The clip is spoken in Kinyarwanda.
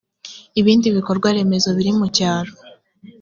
ibindi bikorwaremezo biri mu cyaro